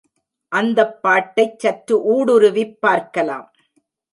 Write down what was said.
அந்தப் பாட்டைச் சற்று ஊடுருவிப் பார்க்கலாம்.